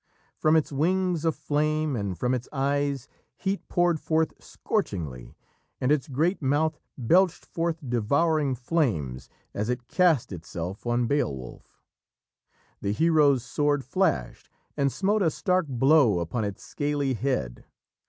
From its wings of flame and from its eyes heat poured forth scorchingly, and its great mouth belched forth devouring flames as it cast itself on Beowulf. [Illustration: A STROKE SHIVERED THE SWORD] The hero's sword flashed, and smote a stark blow upon its scaly head.